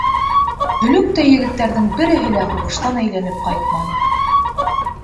Һөлөктәй егеттәрҙең береһе лә һуғыштан әйләнеп ҡайтманы.